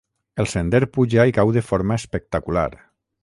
El sender puja i cau de forma espectacular.